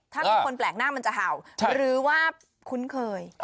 ถ้ามีคนแปลกหน้ามันจะเห่าหรือว่าคุ้นเคย